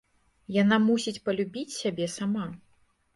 Яна мусіць палюбіць сябе сама.